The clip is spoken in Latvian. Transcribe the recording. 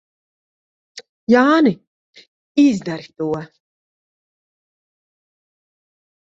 Jāni, izdari to!